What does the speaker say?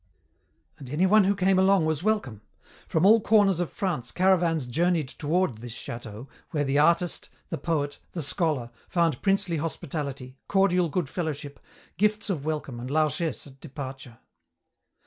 "And anyone who came along was welcome. From all corners of France caravans journeyed toward this château where the artist, the poet, the scholar, found princely hospitality, cordial goodfellowship, gifts of welcome and largesse at departure.